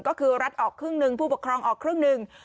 ก็คือรัฐออกครึ่งหนึ่งผู้ปกครองออกครึ่งหนึ่ง